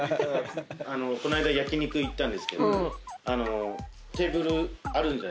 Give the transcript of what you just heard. この間焼き肉行ったんですけどテーブルあるじゃないですか。